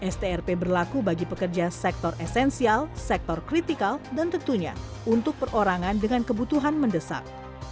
strp berlaku bagi pekerja sektor esensial sektor kritikal dan tentunya untuk perorangan dengan kebutuhan mendesak